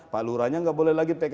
pak lurahnya tidak boleh lagi